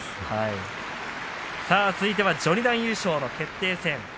続いては序二段優勝の決定戦。